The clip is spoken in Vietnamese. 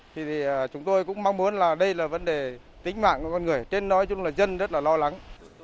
thì chúng tôi cũng mong muốn là đây là vấn đề tính mạng của con người trên nói chung là dân rất là lo lắng